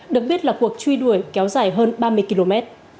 được biết là cuộc truy đuổi kéo dài hơn ba mươi km